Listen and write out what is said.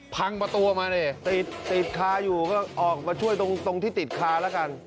พังประตูออกมาเลยติดติดคาอยู่ก็ออกมาช่วยตรงตรงที่ติดคาระกัน